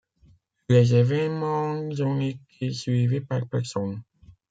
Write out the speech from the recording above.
Les événements ont été suivis par personnes.